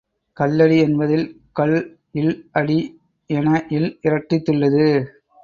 கல்லடி என்பதில் கல் ல் அடி என ல் இரட்டித்துள்ளது.